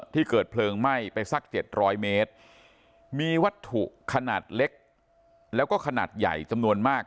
เกิดเพลิงไหม้ไปสัก๗๐๐เมตรมีวัตถุขนาดเล็กแล้วก็ขนาดใหญ่จำนวนมาก